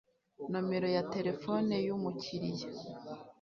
nomero ya telefone y umukiriya